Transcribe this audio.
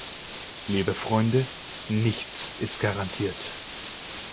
Liebe Freunde, nichts ist garantiert.